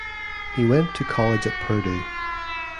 He went to college at Purdue.